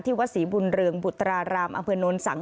ที่วัดศรีบุญเริงบุตรารามอำเภอโนนสัง